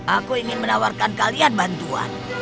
aku ingin menawarkan kalian bantuan